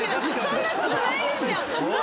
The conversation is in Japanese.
そんなことないです！